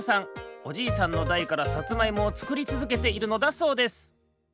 おじいさんのだいからさつまいもをつくりつづけているのだそうです